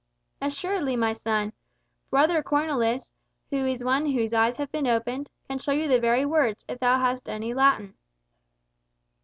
"Assuredly, my son. Brother Cornelis, who is one whose eyes have been opened, can show you the very words, if thou hast any Latin."